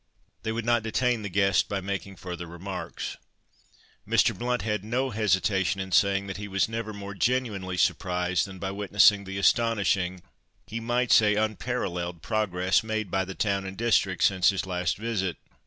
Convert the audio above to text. They would not detain the guests by making further remarks." Mr. Blount had no hesitation in saying that he was never more genuinely surprised than by witnessing the astonishing, he might say unparalleled, progress made by the town and district since his last visit.